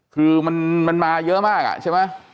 คือมันมาเยอะมากใช่ไหม